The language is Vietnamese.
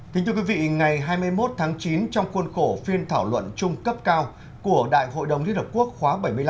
kính thưa quý vị ngày hai mươi một tháng chín trong khuôn khổ phiên thảo luận chung cấp cao của đại hội đồng liên hợp quốc khóa bảy mươi năm